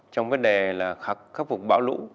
trong vấn đề là khắc phục bão lũ